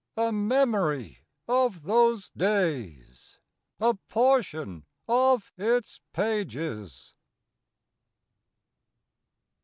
a memory of those days, A portion of its pages!